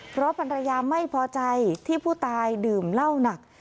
เพราะภรรยาไม่พอใจที่ผู้ตายดื่มเหล้าหนัก